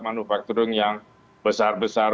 manufacturing yang besar besar